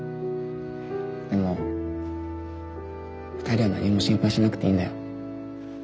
でも２人は何も心配しなくていいんだよ。